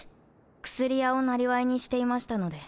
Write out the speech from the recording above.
薬屋をなりわいにしていましたので。